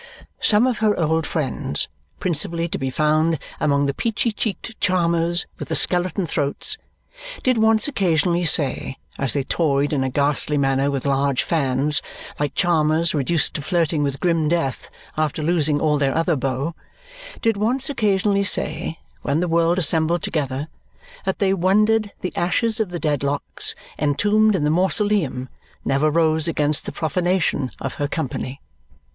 Some of her old friends, principally to be found among the peachy cheeked charmers with the skeleton throats, did once occasionally say, as they toyed in a ghastly manner with large fans like charmers reduced to flirting with grim death, after losing all their other beaux did once occasionally say, when the world assembled together, that they wondered the ashes of the Dedlocks, entombed in the mausoleum, never rose against the profanation of her company.